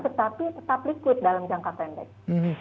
tetapi tetap liquid dalam jangka pendek